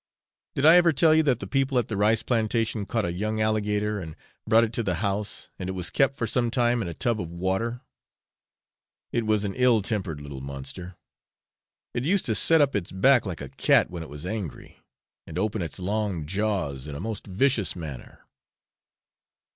Did I ever tell you that the people at the rice plantation caught a young alligator and brought it to the house, and it was kept for some time in a tub of water? It was an ill tempered little monster; it used to set up its back like a cat when it was angry, and open its long jaws in a most vicious manner.